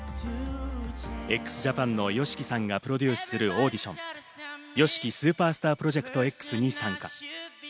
ＸＪＡＰＡＮのＹＯＳＨＩＫＩさんがプロデュースするオーディション、「ＹＯＳＨＩＫＩＳＵＰＥＲＳＴＡＲＰＲＯＪＥＣＴＸ」に参加。